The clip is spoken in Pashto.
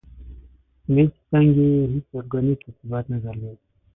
سیمه ییزې څانګې یې هېڅ ارګانیک ارتباط نه درلود.